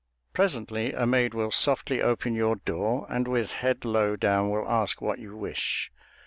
Presently a maid will softly open your door, and with head low down will ask what you wish.